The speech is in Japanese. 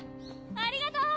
ありがとう！